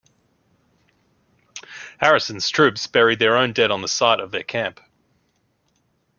Harrison's troops buried their own dead on the site of their camp.